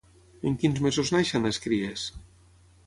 En quins mesos neixen les cries?